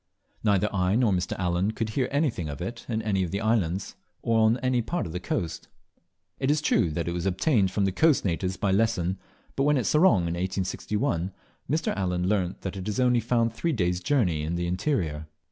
Neither I nor Mr. Allen could hear anything of it in any of the islands or on any part of the coast. It is true that it was obtained from the coast natives by Lesson; but when at Sorong in 1861, Mr. Allen learnt that it is only found three days' journey in the interior.